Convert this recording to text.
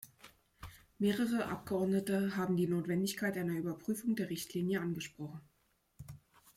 Mehrere Abgeordnete haben die Notwendigkeit einer Überprüfung der Richtlinie angesprochen.